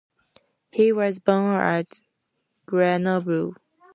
He was born at Grenoble.